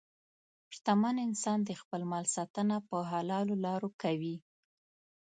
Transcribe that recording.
شتمن انسان د خپل مال ساتنه په حلالو لارو کوي.